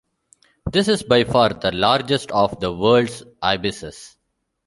This is, by far, the largest of the world's ibises.